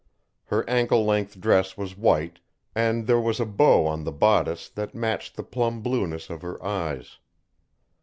Her ankle length dress was white, and there was a bow on the bodice that matched the plum blueness of her eyes.